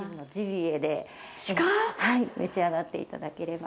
召し上がって頂ければ。